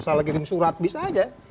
salah kirim surat bisa aja